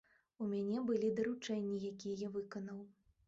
У мяне былі даручэнні, якія я выканаў.